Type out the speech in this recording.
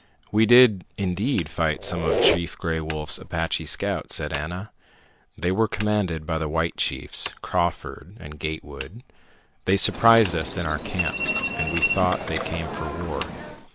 "We did indeed fight some of Chief Gray Wolf's Apache scouts," said Ana. "They were commanded by the white chiefs, Crawford and Gatewood. They surprised us in our camp, and we thought they came for war.